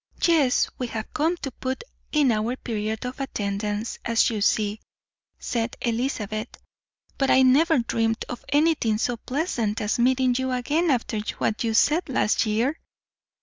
"Yes, we have come to put in our period of attendance, as you see," said Elizabeth, "but I never dreamed of anything so pleasant as meeting you again, after what you said last year."